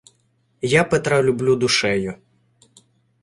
Я Петра люблю душею